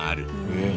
へえ。